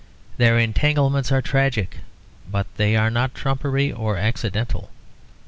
Their entanglements are tragic, but they are not trumpery or accidental.